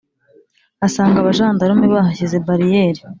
asanga abajandarume bahashyize bariyeri,